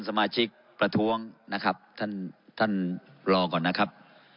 สมาชิกประท้วงนะครับท่านท่านรอก่อนนะครับ